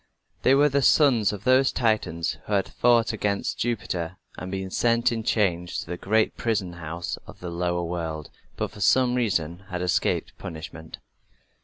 They were the sons of those Titans who had fought against Jupiter and been sent in chains to the great prison house of the lower world, but for some reason had escaped punishment.